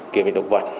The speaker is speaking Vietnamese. kiểm định động vật